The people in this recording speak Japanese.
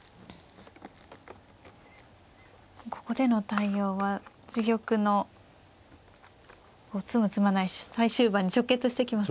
ここでの対応は自玉の詰む詰まない最終盤に直結してきますよね。